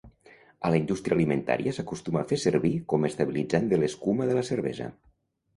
A la indústria alimentària s'acostuma a fer servir com estabilitzant de l'escuma de la cervesa.